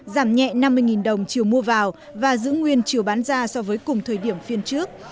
giảm nhẹ năm mươi đồng chiều mua vào và giữ nguyên chiều bán ra so với cùng thời điểm phiên trước